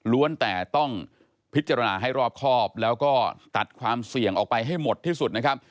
แต่ต้องพิจารณาให้รอบครอบแล้วก็ตัดความเสี่ยงออกไปให้หมดที่สุดนะครับ